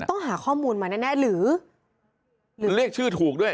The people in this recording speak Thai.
ต้องหาข้อมูลมาแน่แน่หรือเรียกชื่อถูกด้วย